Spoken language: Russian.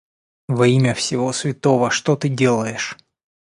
Во имя всего святого, что ты делаешь!?